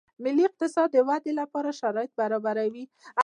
د ملي اقتصاد د ودې لپاره شرایط برابروي